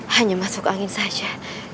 hanya masuk angin saja